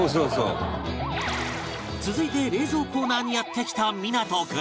続いて冷蔵コーナーにやって来た湊君